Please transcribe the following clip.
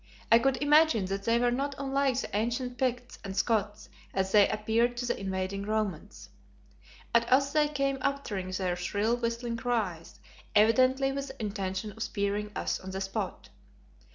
I should imagine that they were not unlike the ancient Picts and Scots as they appeared to the invading Romans. At us they came uttering their shrill, whistling cries, evidently with the intention of spearing us on the spot.